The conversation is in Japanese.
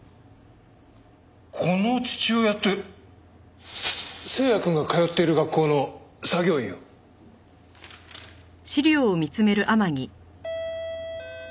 この父親って星也くんが通っている学校の作業員を。